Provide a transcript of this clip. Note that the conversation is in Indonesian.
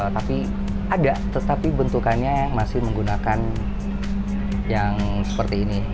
tapi ada tetapi bentukannya masih menggunakan yang seperti ini